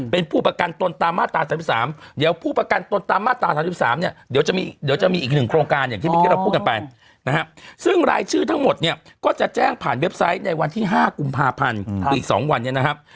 เป็นผู้ประกันตนตามมาตรา๓๓เดี๋ยวผู้ประกันตนตามมาตรา๓๓เนี่ยเดี๋ยวจะมีอีกหนึ่งโครงการอย่างที่เมื่อกี้เราพูดกันไปนะฮะซึ่งรายชื่อทั้งหมดเนี่ยก็จะแจ้งผ่านเว็บไซต์ในวันที่๕กุมภาพันธ์อีก๒วันเนี่ยนะครับ